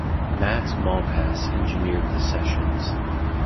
Matt Malpass engineered the sessions.